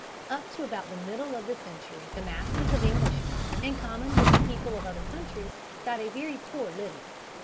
Up to about the middle of the century, the masses of Englishmen, in common with the people of other countries, got a very poor living.